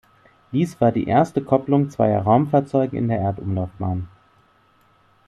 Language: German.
Dies war die erste Kopplung zweier Raumfahrzeuge in der Erdumlaufbahn.